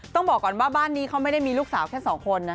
ต้องบอกก่อนว่าบ้านนี้เขาไม่ได้มีลูกสาวแค่สองคนนะ